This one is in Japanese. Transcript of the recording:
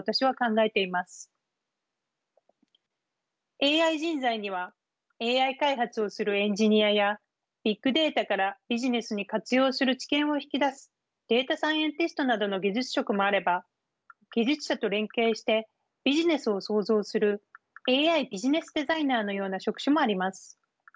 ＡＩ人材にはＡＩ開発をするエンジニアやビッグデータからビジネスに活用する知見を引き出すデータサイエンティストなどの技術職もあれば技術者と連携してビジネスを創造するＡＩビジネスデザイナーのような職種もあります。